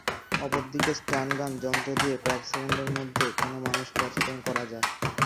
অপরদিকে স্টানগান যন্ত্র দিয়ে কয়েক সেকেন্ডের মধ্যে কোনো মানুষকে অচেতন করা যায়।